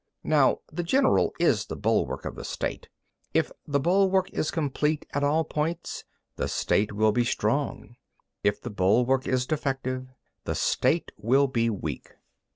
11. Now the general is the bulwark of the State: if the bulwark is complete at all points; the State will be strong; if the bulwark is defective, the State will be weak.